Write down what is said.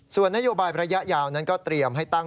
ส่วนนโยบายระยะยาวนั้นก็เตรียมให้ตั้ง